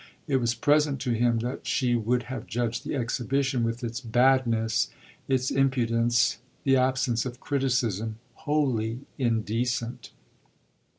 It was present to him that she would have judged the exhibition, with its badness, its impudence, the absence of criticism, wholly indecent.